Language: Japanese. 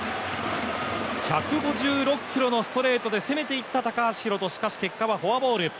１５６キロのストレートで攻めていった高橋宏斗しかし結果はフォアボール。